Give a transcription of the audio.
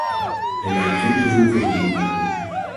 Hij lijkt geen gevoel voor humor te hebben.